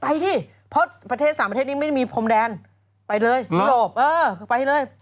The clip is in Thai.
ไปที่เพราะสามประเทศนี้ไม่มีพรมแดนไปเลยไม่โหลบเออไปเลย